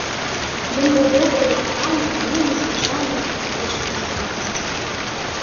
Ён быў добра адукаваны і меў незвычайныя стратэгічныя здольнасці.